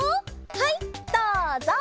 はいどうぞ！